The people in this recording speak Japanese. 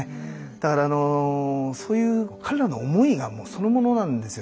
だからそういう彼らの思いがそのままなんですよ